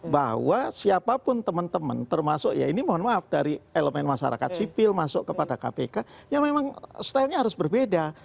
bahwa siapapun teman teman termasuk ya ini mohon maaf dari elemen masyarakat sipil masuk kepada kpk ya memang stylenya harus berbeda